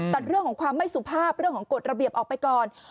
ตัดเรื่องของความไม่สุภาพเรื่องของกฎระเบียบออกไปก่อน